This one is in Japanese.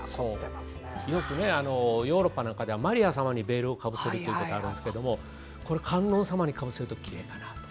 よくヨーロッパなんかではマリア様にヴェールをかぶせるということがあるんですが観音様にかぶせるときれいだなと。